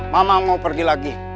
mama mau pergi lagi